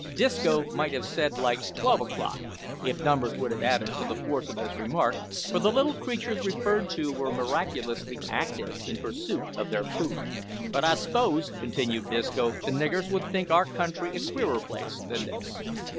Disco might have said like twelve o'clock, if numbers would have added to the force of his remark, for the little creatures referred to were miraculously active in pursuit of their food. "But I s'pose," continued Disco, "the niggers would think our country a queerer place than this."